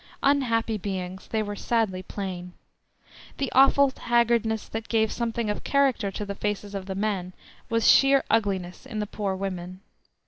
Unhappy beings! they were sadly plain. The awful haggardness that gave something of character to the faces of the men was sheer ugliness in the poor women.